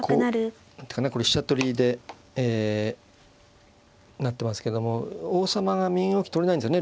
何て言うかねこれ飛車取りでえなってますけども王様が身動き取れないんじゃね。